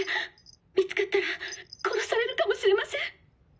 見つかったら殺されるかもしれません。